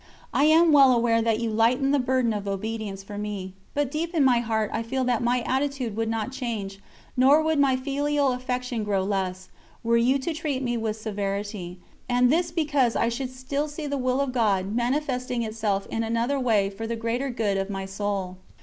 I am well aware that you lighten the burden of obedience for me, but deep in my heart I feel that my attitude would not change, nor would my filial affection grow less, were you to treat me with severity: and this because I should still see the Will of God manifesting itself in another way for the greater good of my soul.